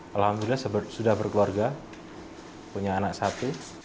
alhamdulillah sudah berkeluarga punya anak sapi